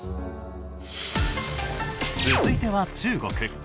続いては中国。